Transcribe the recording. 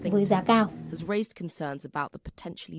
với giá cao